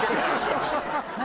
ハハハハ！